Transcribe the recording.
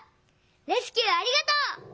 レスキューありがとう！」。